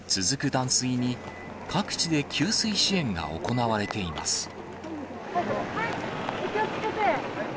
続く断水に、各地で給水支援が行われています。